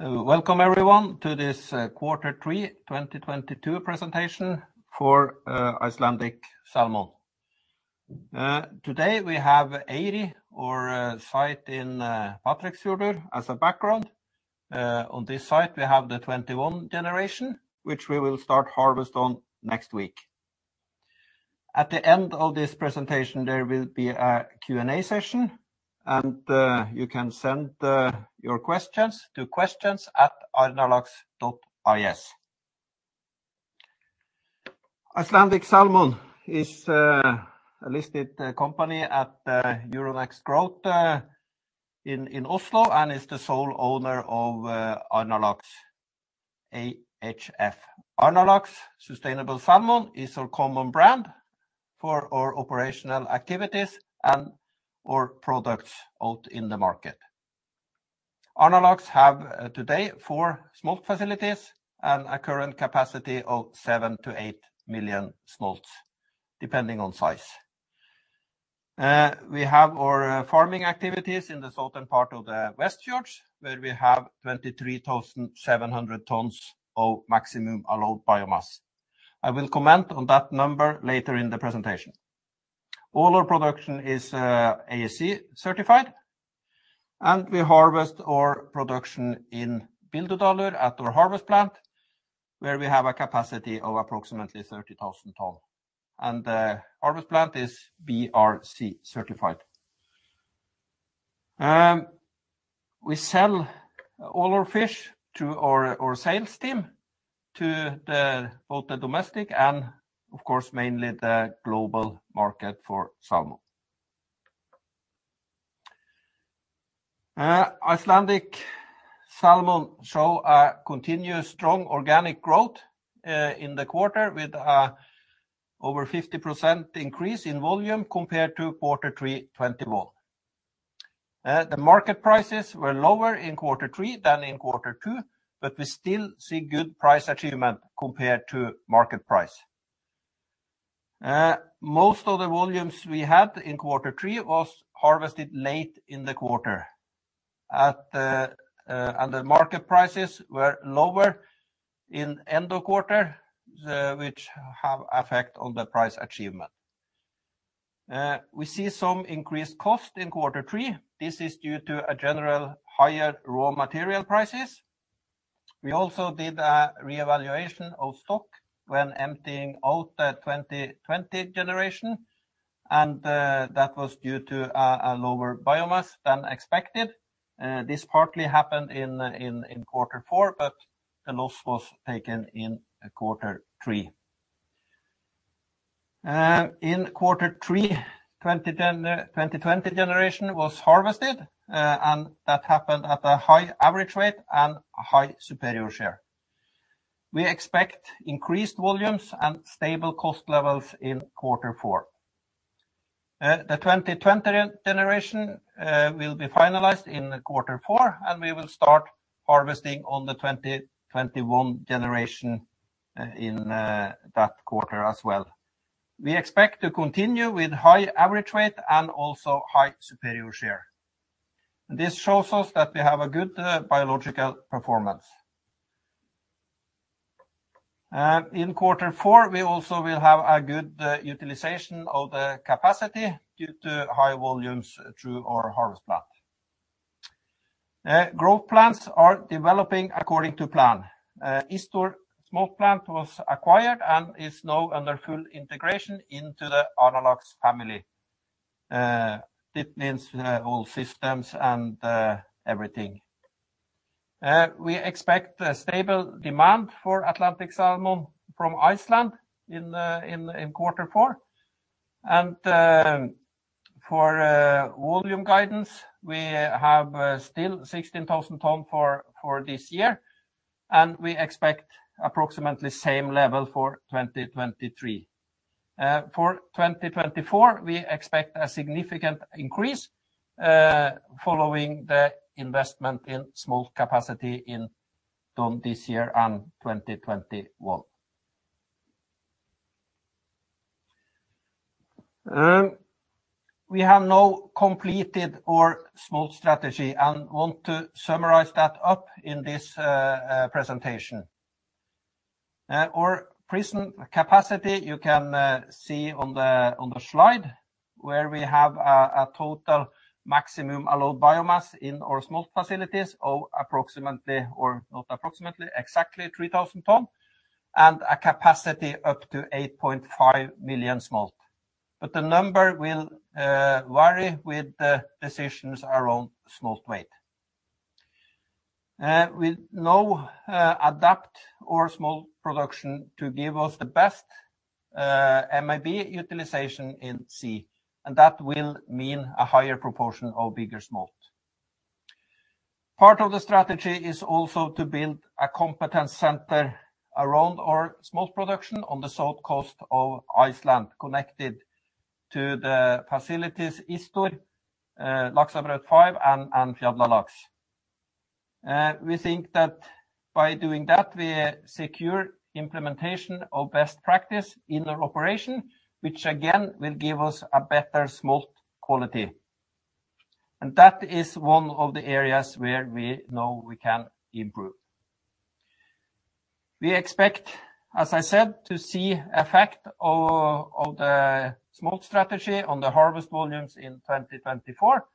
Welcome everyone to this Q3 2022 Presentation for Icelandic Salmon. Today we have a view of our site in Patreksfjörður as a background. On this site, we have the 2021 generation, which we will start harvesting next week. At the end of this presentation, there will be a Q&A session, and you can send your questions to questions@arnarlax.is. Icelandic Salmon is a listed company at Euronext Growth in Oslo and is the sole owner of Arnarlax ehf. Arnarlax Sustainable Salmon is our common brand for our operational activities and our products out in the market. Arnarlax have today four smolt facilities and a current capacity of 7million-8 million smolts, depending on size. We have our farming activities in the southern part of the Westfjords, where we have 23,700 tons of maximum allowed biomass. I will comment on that number later in the presentation. All our production is ASC certified, and we harvest our production in Bíldudalur at our harvest plant, where we have a capacity of approximately 30,000 ton. The harvest plant is BRC certified. We sell all our fish through our sales team to both the domestic and, of course, mainly the global market for salmon. Icelandic Salmon show a continuous strong organic growth in the quarter with over 50% increase in volume compared to Q3 2021. The market prices were lower in Q3 than in Q2, but we still see good price achievement compared to market price. Most of the volumes we had in quarter three was harvested late in the quarter, and the market prices were lower in end of quarter, which have effect on the price achievement. We see some increased cost in Q3. This is due to a general higher raw material prices. We also did a reevaluation of stock when emptying out the 2020 generation, and that was due to a lower biomass than expected. This partly happened in Q4, but the loss was taken in Q3. In Q3, 2020 generation was harvested, and that happened at a high average rate and high superior share. We expect increased volumes and stable cost levels in Q4. The 2020 generation will be finalized in Q4, and we will start harvesting on the 2021 generation in that quarter as well. We expect to continue with high average rate and also high superior share. This shows us that we have a good biological performance. In Q4, we also will have a good utilization of the capacity due to high volumes through our harvest plant. Growth plants are developing according to plan. Ísþór Smolt plant was acquired and is now under full integration into the Arnarlax family. It means all systems and everything. We expect a stable demand for Atlantic Salmon from Iceland in Q4. For volume guidance, we have still 16,000 tons for this year, and we expect approximately same level for 2023. For 2024, we expect a significant increase, following the investment in smolt capacity in turn this year and 2021. We have now completed our smolt strategy and want to summarize that up in this presentation. Our present capacity you can see on the slide where we have a total maximum allowed biomass in our smolt facilities of exactly 3,000 ton and a capacity up to 8.5 million smolt. The number will vary with the decisions around smolt weight. We now adapt our smolt production to give us the best MAB utilization in sea, and that will mean a higher proportion of bigger smolt. Part of the strategy is also to build a competent center around our smolt production on the South Coast of Iceland, connected to the facilities Ísþór, Laxabraut 5 and Fjallalax. We think that by doing that, we secure implementation of best practice in our operation, which again will give us a better smolt quality. That is one of the areas where we know we can improve. We expect, as I said, to see effect of the smolt strategy on the harvest volumes in 2024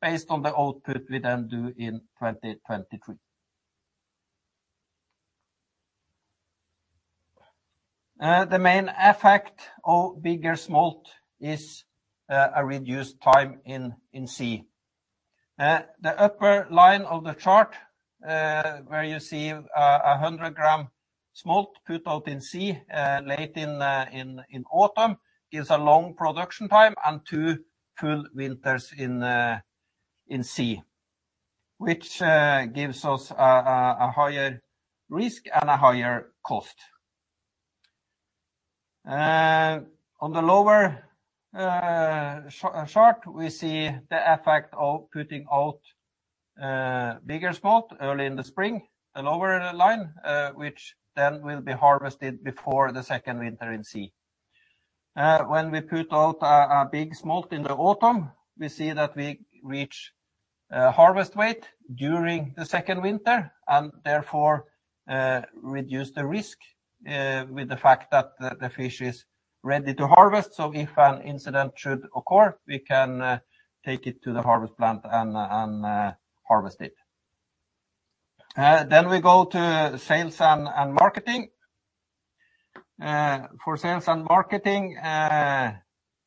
based on the output we then do in 2023. The main effect of bigger smolt is a reduced time in sea. The upper line of the chart, where you see a 100-gram smolt put out in sea late in autumn, gives a long production time and two full winters in sea, which gives us a higher risk and a higher cost. On the lower chart, we see the effect of putting out bigger smolt early in the spring, the lower line, which then will be harvested before the second winter in sea. When we put out a big smolt in the autumn, we see that we reach harvest weight during the second winter and therefore reduce the risk with the fact that the fish is ready to harvest. If an incident should occur, we can take it to the harvest plant and harvest it. We go to sales and marketing. For sales and marketing,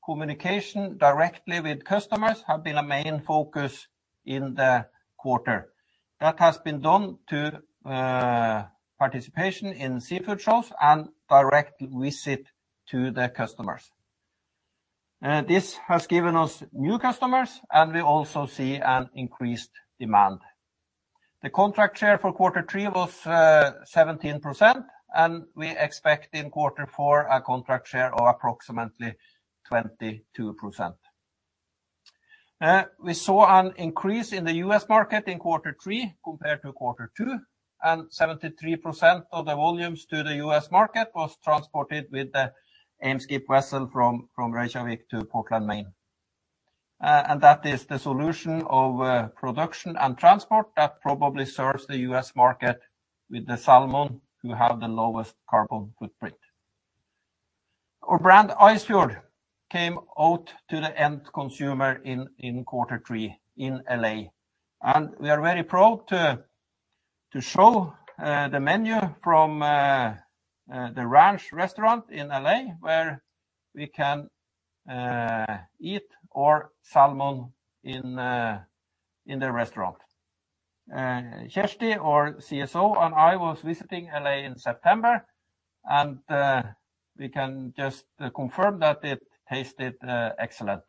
communication directly with customers have been a main focus in the quarter. That has been done through participation in seafood shows and direct visit to the customers. This has given us new customers, and we also see an increased demand. The contract share for Q3 was 17%, and we expect in Q4 a contract share of approximately 22%. We saw an increase in the US market in Q3 compared to Q2, and 73% of the volumes to the US market was transported with the Eimskip vessel from Reykjavík to Portland, Maine. That is the solution of production and transport that probably serves the US market with the salmon who have the lowest carbon footprint. Our brand IceFjord came out to the end consumer in Q3 in L.A., and we are very proud to show the menu from The Ranch Restaurant in L.A., where we can eat our salmon in the restaurant. Kjersti, our CSO, and I was visiting L.A. in September, and we can just confirm that it tasted excellent.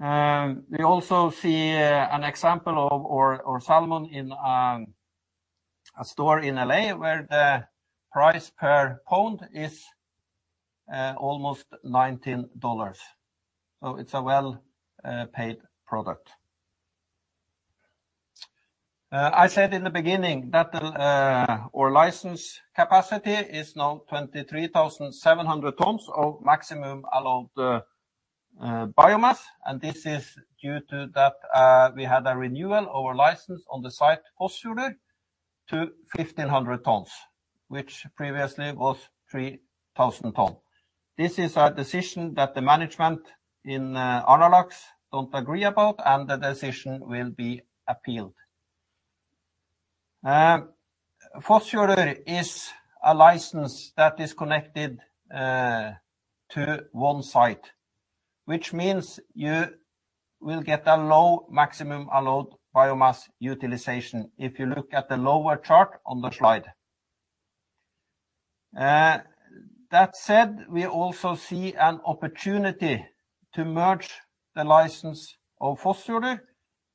We also see an example of our salmon in a store in L.A. where the price per pound is almost $19. It's a well paid product. I said in the beginning that our license capacity is now 23,700 tons of maximum allowed biomass, and this is due to that we had a renewal of our license on the site Fossfjörður to 1,500 tons, which previously was 3,000 tons. This is a decision that the management in Arnarlax don't agree about, and the decision will be appealed. Fossfjörður is a license that is connected to one site, which means you will get a low maximum allowed biomass utilization if you look at the lower chart on the slide. That said, we also see an opportunity to merge the license of Fossfjörður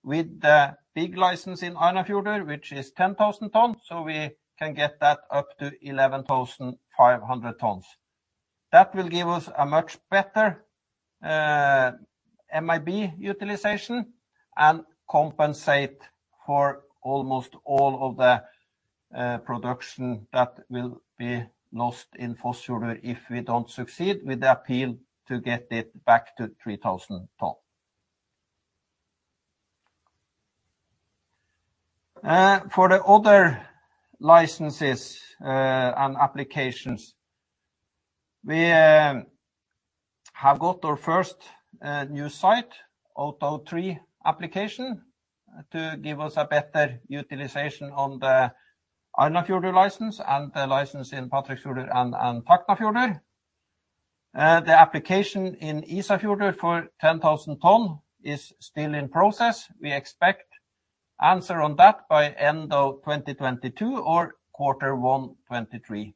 with the big license in Arnarfjörður, which is 10,000 tons, so we can get that up to 11,500 tons. That will give us a much better MAB utilization and compensate for almost all of the production that will be lost in Fossfjörður if we don't succeed with the appeal to get it back to 3,000 tons. For the other licenses and applications, we have got our first new site, Otta 3 application, to give us a better utilization on the Arnarfjörður license and the license in Patreksfjörður and Tálknafjörður. The application in Ísafjörður for 10,000 tons is still in process. We expect answer on that by end of 2022 or Q1, 2023.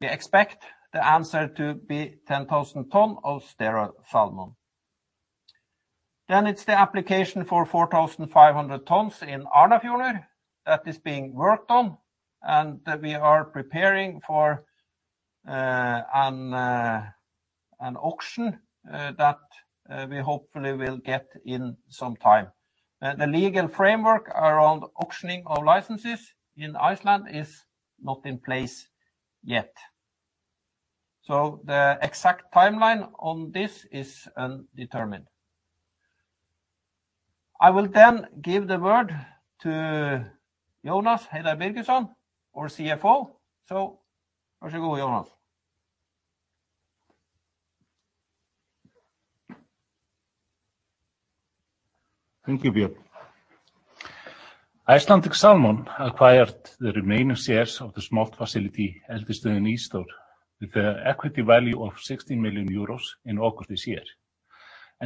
We expect the answer to be 10,000 tons of sterile salmon. It's the application for 4,500 tons in Arnarfjörður that is being worked on, and we are preparing for an auction that we hopefully will get in some time. The legal framework around auctioning of licenses in Iceland is not in place yet, so the exact timeline on this is undetermined. I will then give the word to Jónas Heiðar Birgisson, our CFO. Off you go, Jónas. Thank you, Bjørn. Icelandic Salmon acquired the remaining shares of the smolt facility Eldisstöðin Ísþór with the equity value of 60 million euros in August this year.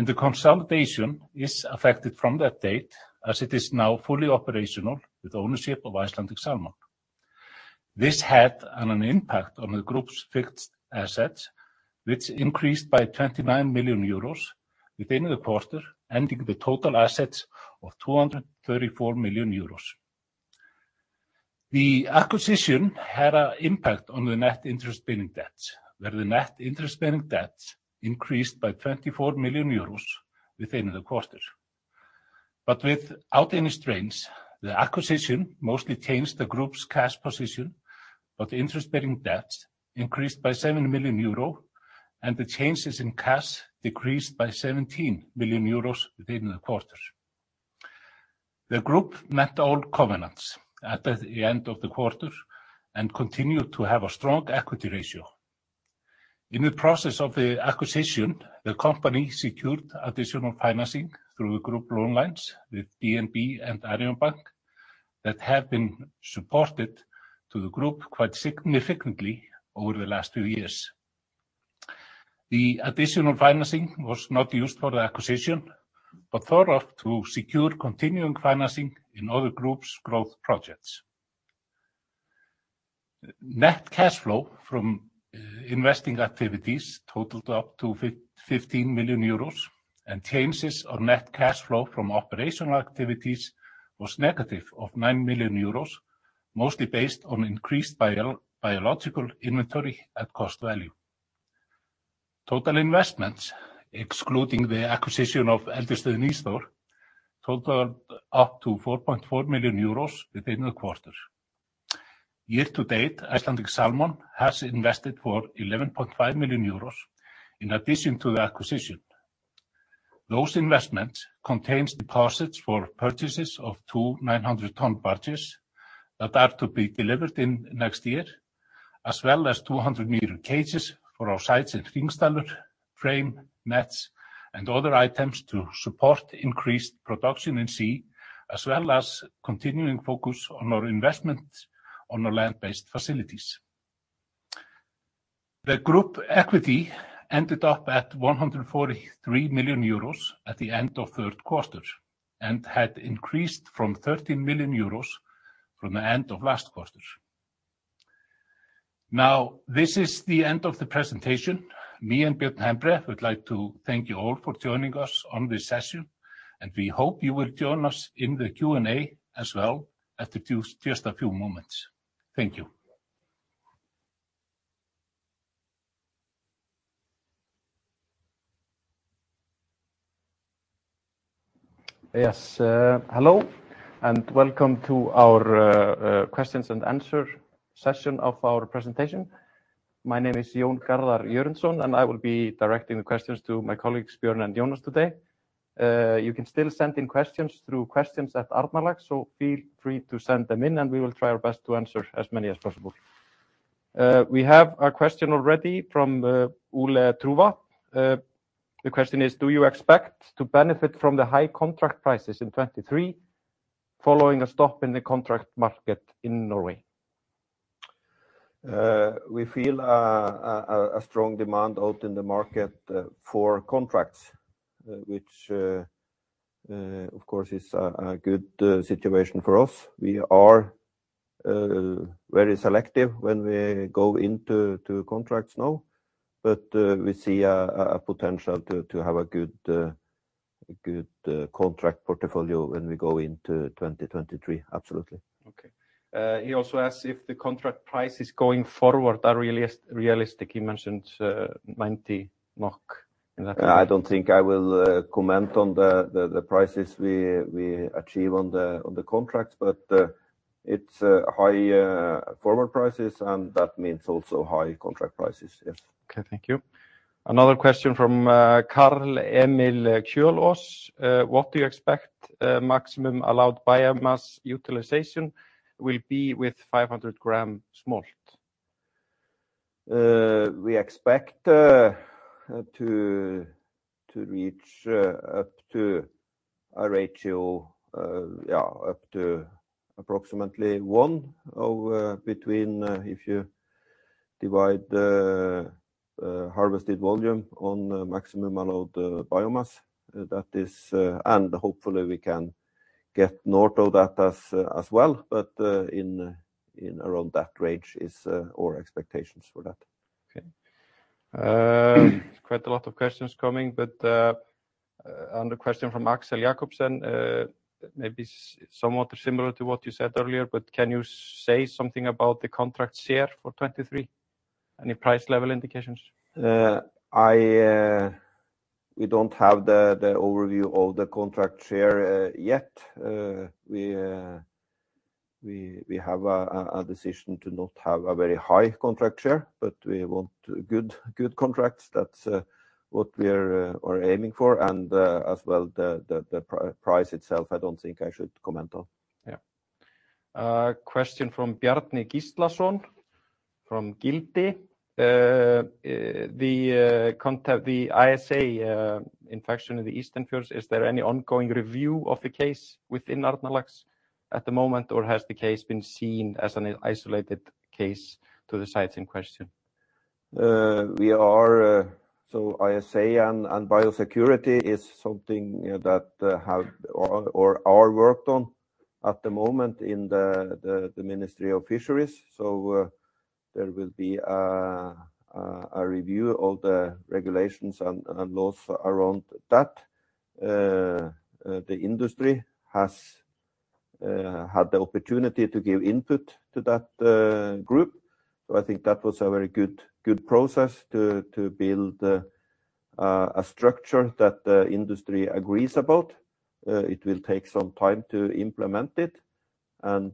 The consolidation is affected from that date as it is now fully operational with ownership of Icelandic Salmon. This had an impact on the group's fixed assets, which increased by 29 million euros within the quarter, ending the total assets of 234 million euros. The acquisition had an impact on the net interest-bearing debts, where the net interest-bearing debts increased by 24 million euros within the quarter. Without any strains, the acquisition mostly changed the group's cash position, but the interest-bearing debts increased by 7 million euro and the changes in cash decreased by 17 million euros within the quarter. The group met all covenants at the end of the quarter and continued to have a strong equity ratio. In the process of the acquisition, the company secured additional financing through the group loan lines with DNB and Arion banki that have been supported to the group quite significantly over the last two years. The additional financing was not used for the acquisition, but thought of to secure continuing financing in other groups growth projects. Net cash flow from investing activities totaled up to 15 million euros, and changes on net cash flow from operational activities was negative of 9 million euros, mostly based on increased biological inventory at cost value. Total investments, excluding the acquisition of Eldisstöðin Ísþór, totaled up to 4.4 million euros within the quarter. Year to date, Icelandic Salmon has invested for 11.5 million euros in addition to the acquisition. Those investments contain deposits for purchases of two 900-ton batches that are to be delivered in next year, as well as 200-meter cages for our sites in Hringsdalur, frames, nets, and other items to support increased production in sea, as well as continuing focus on our investments on our land-based facilities. The group equity ended up at 143 million euros at the end of third quarter and had increased from 13 million euros from the end of last quarter. Now, this is the end of the presentation. Me and Bjørn Hembre would like to thank you all for joining us on this session, and we hope you will join us in the Q&A as well after just a few moments. Thank you. Yes, hello, and welcome to our questions and answer session of our presentation. My name is Jón Garðar Jörundsson, and I will be directing the questions to my colleagues, Björn and Jónas today. You can still send in questions through questions at Arnarlax, so feel free to send them in, and we will try our best to answer as many as possible. We have a question already from Ole-Andreas Krohn. The question is, do you expect to benefit from the high contract prices in 2023 following a stop in the contract market in Norway? We feel a strong demand out in the market for contracts, which of course is a good situation for us. We are very selective when we go into contracts now, but we see a potential to have a good contract portfolio when we go into 2023. Absolutely. Okay. He also asks if the contract prices going forward are realistic. He mentioned 90 in that. I don't think I will comment on the prices we achieve on the contracts, but it's high forward prices, and that means also high contract prices. Yes. Okay. Thank you. Another question from Carl-Emil Kjølås Johannessen. What do you expect maximum allowed biomass utilization will be with 500 gram smolt? We expect to reach up to a ratio up to approximately one if you divide the harvested volume by maximum allowed biomass. That is, hopefully we can get north of that as well, but in and around that range is our expectations for that. Okay, quite a lot of questions coming, but another question from Axel Jacobsen. Maybe somewhat similar to what you said earlier, but can you say something about the contract share for 2023? Any price level indications? We don't have the overview of the contract share yet. We have a decision to not have a very high contract share, but we want good contracts. That's what we're aiming for. As well, the price itself, I don't think I should comment on. Question from Bjarni Gíslason from Gildi. The ISA infection in the Eastfjords, is there any ongoing review of the case within Arnarlax at the moment, or has the case been seen as an isolated case to the sites in question? ISA and biosecurity is something, you know, that have or are worked on at the moment in the Ministry of Fisheries. There will be a review of the regulations and laws around that. The industry has had the opportunity to give input to that group. I think that was a very good process to build a structure that the industry agrees about. It will take some time to implement it, and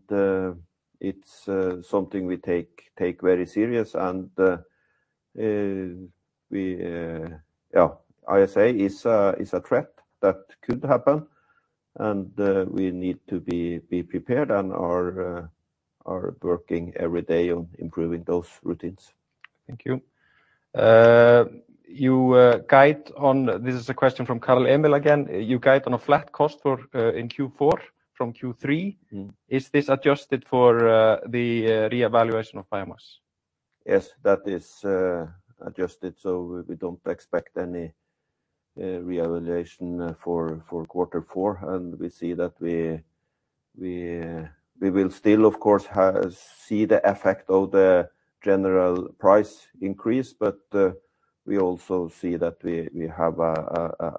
it's something we take very serious. Yeah, ISA is a threat that could happen, and we need to be prepared and are working every day on improving those routines. Thank you. This is a question from Carl-Emil again. Your guidance on a flat cost for in Q4 from Q3. Mm. Is this adjusted for the reevaluation of biomass? Yes, that is adjusted, so we don't expect any reevaluation for Q4. We see that we will still, of course, see the effect of the general price increase, but we also see that we have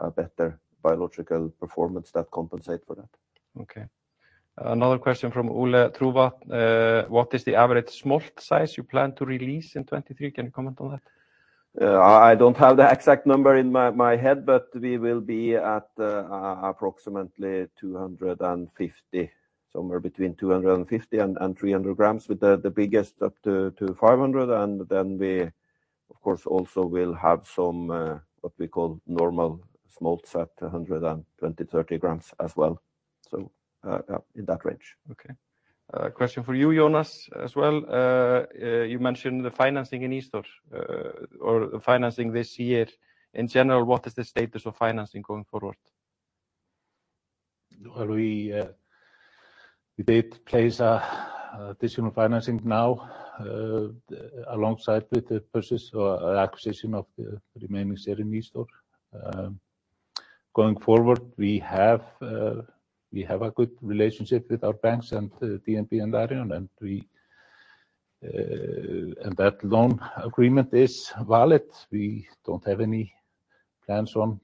a better biological performance that compensate for that. Okay. Another question from Ole-Andreas Krohn. What is the average smolt size you plan to release in 2023? Can you comment on that? I don't have the exact number in my head, but we will be at approximately 250. Somewhere between 250 and 300 grams, with the biggest up to 500. We, of course, also will have some what we call normal smolts at 120-130 grams as well. In that range. Okay. Question for you, Jónas, as well. You mentioned the financing in IceFjord, or the financing this year. In general, what is the status of financing going forward? Well, we did place additional financing now alongside with the purchase or acquisition of the remaining share in IceFjord. Going forward, we have a good relationship with our banks and DNB and Arion banki, and that loan agreement is valid. We don't have any plans on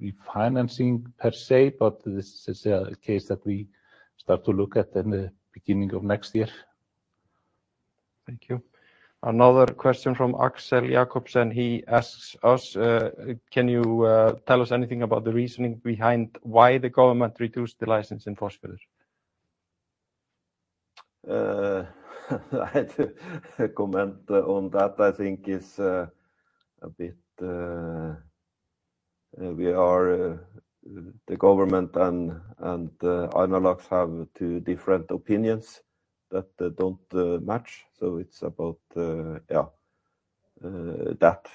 refinancing per se, but this is a case that we start to look at in the beginning of next year. Thank you. Another question from Axel Jacobsen. He asks us, can you tell us anything about the reasoning behind why the government reduced the license in Fossfjörður? I had to comment on that. I think it's a bit we are the government and Arnarlax have two different opinions that don't match. It's about yeah that.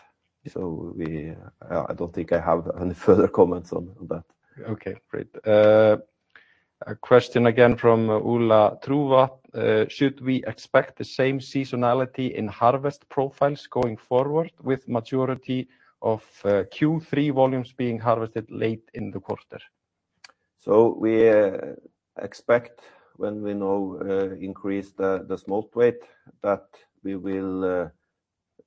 I don't think I have any further comments on that. Okay, great. A question again from Ole-Andreas Krohn. Should we expect the same seasonality in harvest profiles going forward, with majority of Q3 volumes being harvested late in the quarter? We expect when we now increase the smolt weight that we will,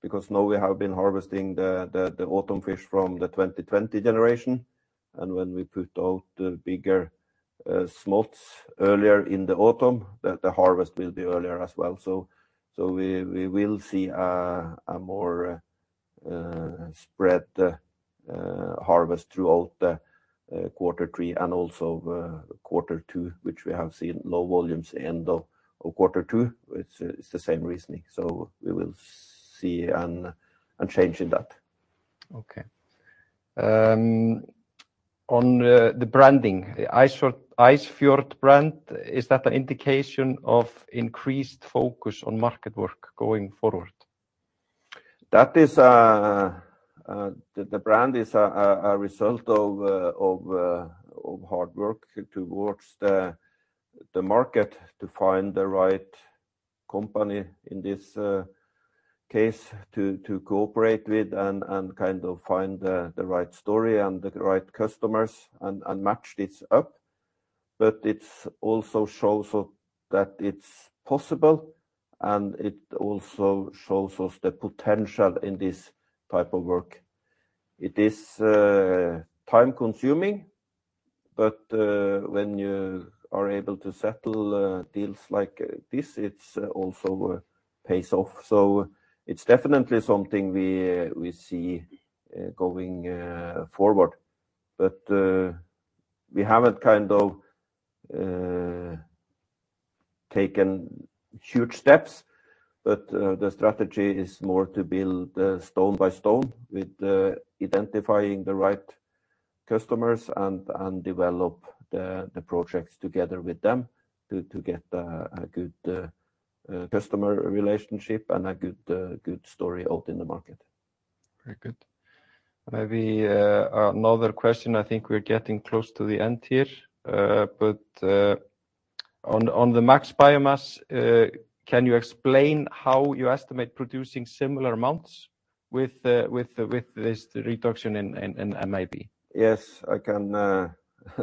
because now we have been harvesting the autumn fish from the 2020 generation, and when we put out the bigger smolts earlier in the autumn, the harvest will be earlier as well. We will see a more spread harvest throughout Q3 and also Q2, which we have seen low volumes end of Q2. It's the same reasoning. We will see a change in that. Okay. On the branding, the IceFjord brand, is that an indication of increased focus on market work going forward? That is the brand is a result of hard work towards the market to find the right company, in this case to cooperate with and kind of find the right story and the right customers and match this up. It also shows us that it's possible, and it also shows us the potential in this type of work. It is time-consuming, but when you are able to settle deals like this, it also pays off. It's definitely something we see going forward. We haven't kind of taken huge steps, but the strategy is more to build stone by stone with identifying the right customers and develop the projects together with them to get a good customer relationship and a good story out in the market. Very good. Maybe another question. I think we're getting close to the end here. On the max biomass, can you explain how you estimate producing similar amounts with this reduction in MAB? Yes, I can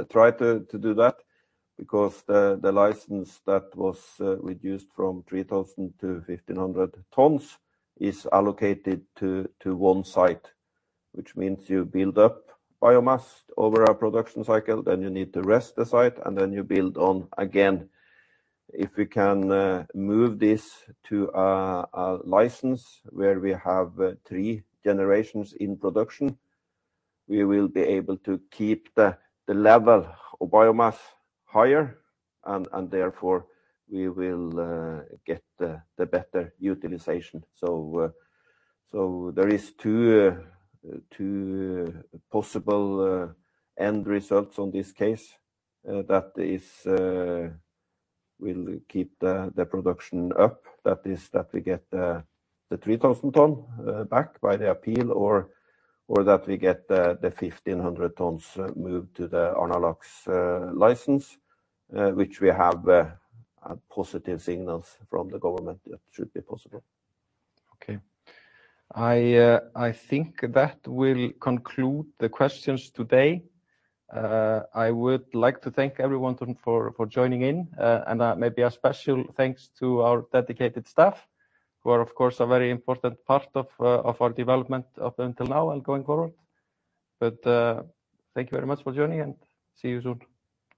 try to do that, because the license that was reduced from 3,000 to 1,500 tons is allocated to one site, which means you build up biomass over a production cycle, then you need to rest the site, and then you build on again. If we can move this to a license where we have three generations in production, we will be able to keep the level of biomass higher, and therefore we will get the better utilization. There is two possible end results in this case. That is, we'll keep the production up. That is, that we get the 3,000 tons back by the appeal or that we get the 1,500 tons moved to the Arnarlax's license, which we have positive signals from the government that should be possible. Okay. I think that will conclude the questions today. I would like to thank everyone for joining in, and maybe a special thanks to our dedicated staff who are of course a very important part of our development up until now and going forward. Thank you very much for joining and see you soon.